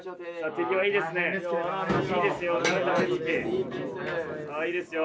手際いいですね。